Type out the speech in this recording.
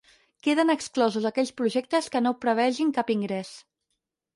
Queden exclosos aquells projectes que no prevegin cap ingrés.